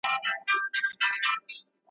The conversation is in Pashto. که انټرنیټ نه وای نو اړیکې به ستونزمنې وې.